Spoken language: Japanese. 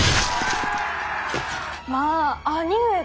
まあ兄上が？